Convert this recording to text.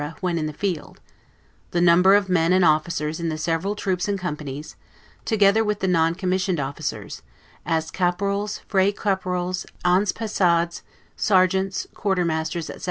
when in the field; the number of men and officers in the several troops and companies, together with the non commissioned officers, as 'caporals, frey caporals, anspessades', sergeants, quarter masters, etc.